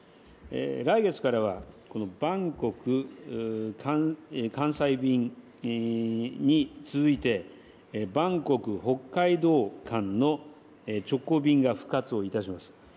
来月からは、バンコク・関西便に続いて、バンコク・北海道間の直行便が復活をいたします。